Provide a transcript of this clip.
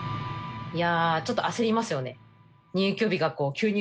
いやあちょっと焦りますよね。